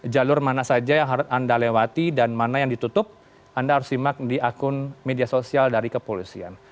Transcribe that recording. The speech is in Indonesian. jalur mana saja yang harus anda lewati dan mana yang ditutup anda harus simak di akun media sosial dari kepolisian